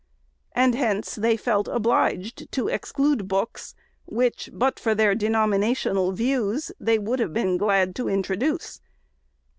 And hence they felt SECOND ANNUAL REPORT. 561 obliged to exclude books, which, but for their denomina tional views, they would have been glad to introduce.